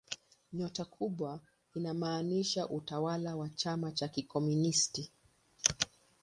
Nyota kubwa inamaanisha utawala wa chama cha kikomunisti.